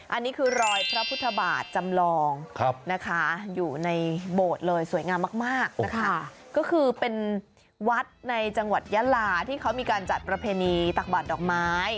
อันนี้คือรอยพระพุทธบาทจำลองนะคะอยู่ในโบสถ์เลยสวยงามมากนะคะก็คือเป็นวัดในจังหวัดยะลาที่เขามีการจัดประเพณีตักบาดดอกไม้